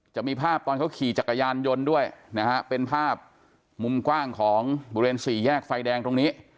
จะมีภาพตอนเขาขี่จักรยานยนต์ด้วยนะฮะเป็นภาพมุมกว้างของบริเวณสี่แยกไฟแดงตรงนี้